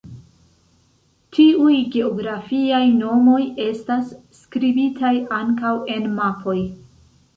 Tiuj geografiaj nomoj estas skribitaj ankaŭ en mapoj.